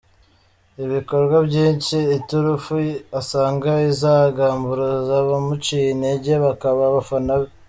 Ibikorwa byinshi, iturufu asanga izagamburuza abamuciye intege, bakaba abafana be.